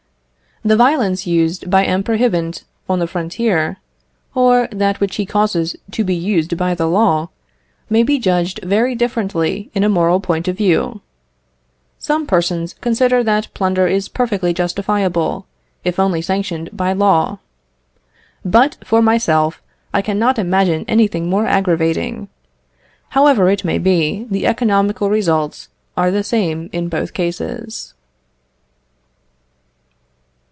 The violence used by M. Prohibant on the frontier, or that which he causes to be used by the law, may be judged very differently in a moral point of view. Some persons consider that plunder is perfectly justifiable, if only sanctioned by law. But, for myself, I cannot imagine anything more aggravating. However it may be, the economical results are the same in both cases.